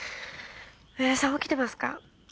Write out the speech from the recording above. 上田さん起きてますか？